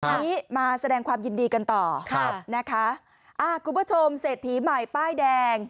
อันนี้มาแสดงความยินดีกันต่อคุณผู้ชมเศรษฐีใหม่ป้ายแดง